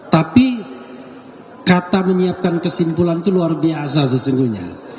tapi kata menyiapkan kesimpulan itu luar biasa sesungguhnya